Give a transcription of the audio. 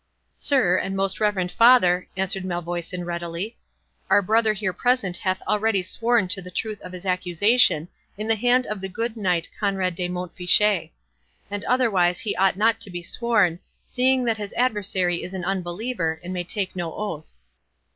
"Sir, and most reverend father," answered Malvoisin, readily, "our brother here present hath already sworn to the truth of his accusation in the hand of the good Knight Conrade de Mont Fitchet; and otherwise he ought not to be sworn, seeing that his adversary is an unbeliever, and may take no oath."